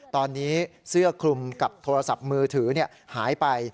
ตอนนี้เสื้อคลุมกับโทรศัพท์มือถือหายไป